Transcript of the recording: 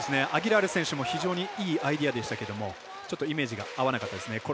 アギラール選手も非常にいいアイデアでしたけどちょっとイメージが合わなかったですね。